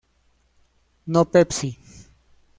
No Pepsi.